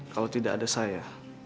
kalau tidak ada saya